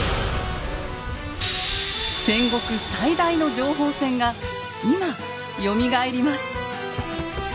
戦国最大の情報戦が今よみがえります。